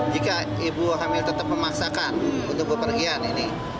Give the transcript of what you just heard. jika ibu hamil tetap memaksakan untuk bepergian ini